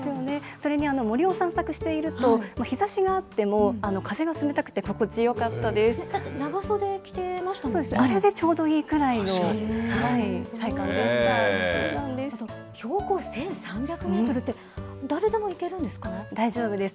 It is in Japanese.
それに森を散策していると、日ざしがあっても風が冷たくて心地よだって、長袖着てましたもんそうですね、あれでちょうど標高１３００メートルって、大丈夫です。